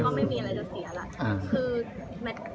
ก็ไม่มีอะไรจะเสียแล้ว